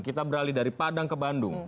kita beralih dari padang ke bandung